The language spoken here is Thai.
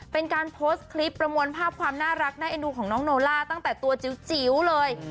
เป็นการโพสต์คลิปประมวลภาพความน่ารักน่าเอ็นดูของน้องโนล่าตั้งแต่ตัวจิ๋วเลย